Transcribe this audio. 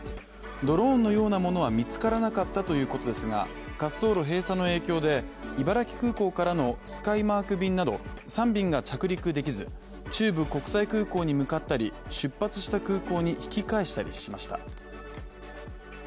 ドローンのようなものは見つからなかったということですが滑走路閉鎖の影響で茨城空港からのスカイマーク便など３便が着陸できず中部国際空港に向かったり出発した空港に引き返したりしました。